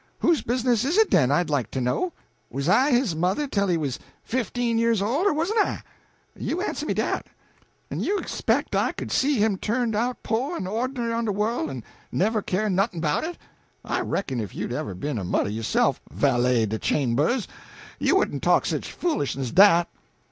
Whose business is it den, I'd like to know? Wuz I his mother tell he was fifteen years old, or wusn't I? you answer me dat. En you speck I could see him turned out po' en ornery on de worl' en never care noth'n' 'bout it? I reckon if you'd ever be'n a mother yo'self, Valet de Chambers, you wouldn't talk sich foolishness as dat."